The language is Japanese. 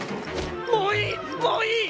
もういい！